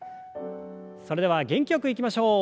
それでは元気よくいきましょう。